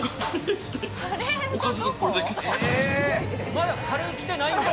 まだカレー来てないんだ？